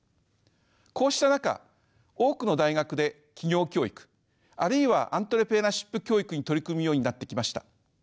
こうした中多くの大学で起業教育あるいはアントレプレナーシップ教育に取り組むようになってきました。